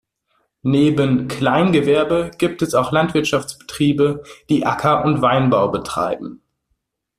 Neben Kleingewerbe gibt es auch Landwirtschaftsbetriebe, die Acker- und Weinbau betreiben.